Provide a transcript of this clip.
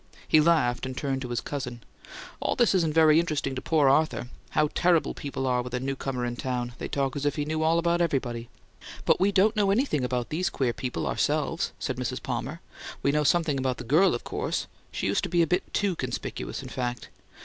He laughed, and turned to his cousin. "All this isn't very interesting to poor Arthur. How terrible people are with a newcomer in a town; they talk as if he knew all about everybody!" "But we don't know anything about these queer people, ourselves," said Mrs. Palmer. "We know something about the girl, of course she used to be a bit too conspicuous, in fact!